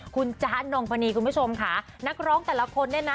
คุณจ๊ะนงพนีคุณผู้ชมค่ะนักร้องแต่ละคนเนี่ยนะ